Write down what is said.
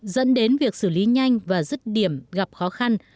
dẫn đến việc xử lý nhanh và rứt điểm gặp khó khăn